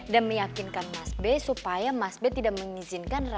dan meyakinkan mas be supaya mas be tidak mengizinkan dia